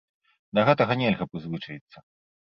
Да гэтага нельга прызвычаіцца.